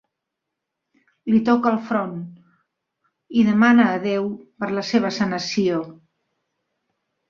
Li toca el front i demana a Déu per la seva sanació.